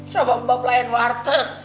sama mbak pelayan warter